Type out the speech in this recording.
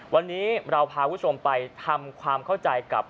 วันนี้เราพาคุณผู้ชมไปทำความเข้าใจกับ